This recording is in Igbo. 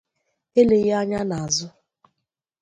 eleghị anya n’azụ